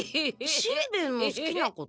しんべヱのすきなこと？